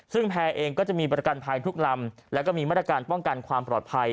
ซึ่งแพร่เองก็จะมีประกันภัยทุกลำแล้วก็มีมาตรการป้องกันความปลอดภัย